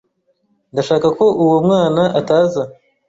Ndashaka ko uwo mwana ataza